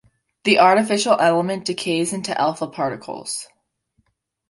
The artificial element decays into alpha particles.